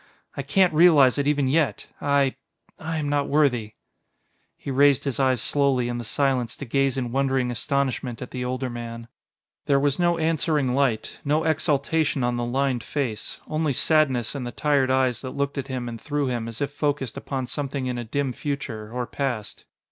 I can't realize it even yet. I I am not worthy...." He raised his eyes slowly in the silence to gaze in wondering astonishment at the older man. There was no answering light, no exaltation on the lined face. Only sadness in the tired eyes that looked at him and through him as if focused upon something in a dim future or past.